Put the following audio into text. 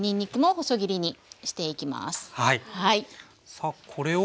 さあこれを。